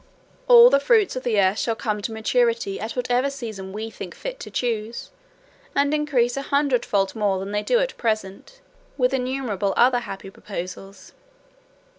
All the fruits of the earth shall come to maturity at whatever season we think fit to choose, and increase a hundred fold more than they do at present; with innumerable other happy proposals.